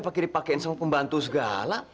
pakai dipakaikan sama pembantu segala